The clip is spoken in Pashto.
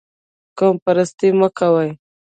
قوم پرستي مه کوئ